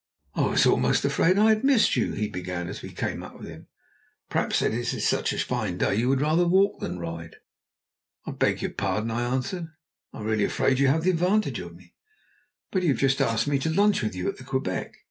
"I was almost afraid I had missed you," he began, as we came up with him. "Perhaps as it is such a fine day you would rather walk than ride?" "I beg your pardon," I answered. "I'm really afraid you have the advantage of me." "But you have asked me to lunch with you at the Quebec.